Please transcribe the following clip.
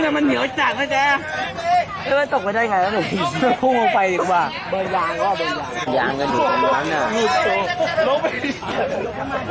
มันพูดไว้ไปร้ายได้ไหม